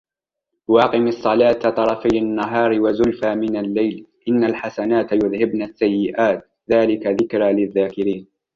وأقم الصلاة طرفي النهار وزلفا من الليل إن الحسنات يذهبن السيئات ذلك ذكرى للذاكرين